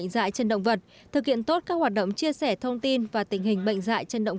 dạy trên động vật thực hiện tốt các hoạt động chia sẻ thông tin và tình hình bệnh dạy trên động